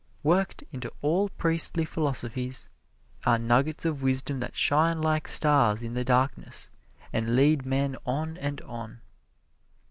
Worked into all priestly philosophies are nuggets of wisdom that shine like stars in the darkness and lead men on and on.